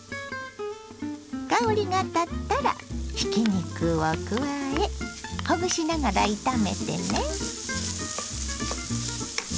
香りが立ったらひき肉を加えほぐしながら炒めてね。